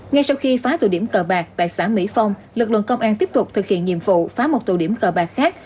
ngay sau khi phá tụi điểm cờ bạc tại xã mỹ phong lực lượng công an tiếp tục thực hiện nhiệm vụ phá một tù điểm cờ bạc khác